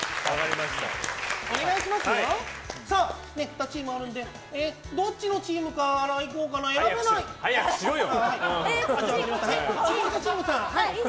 ２チームあるのでどっちのチームからいこうか早くしろよ！